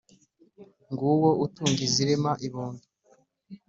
Nguwo utunga izirema ibondo!